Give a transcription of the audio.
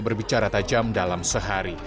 berbicara tajam dalam sehari